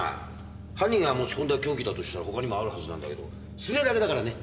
犯人が持ち込んだ凶器だとしたら他にもあるはずなんだけどスネだけだからね。